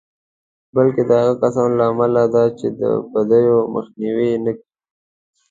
بلکې د هغو کسانو له امله ده چې د بدیو مخنیوی نه کوي.